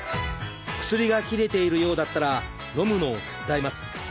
薬が切れているようだったらのむのを手伝います。